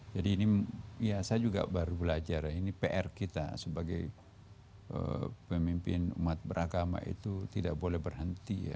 jadi ini ya saya juga baru belajar ya ini pr kita sebagai pemimpin umat beragama itu tidak boleh berhenti ya